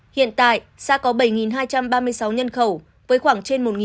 hiện tại xã có bảy hai trăm ba mươi sáu nhân khẩu với khoảng trên một sáu trăm linh hộ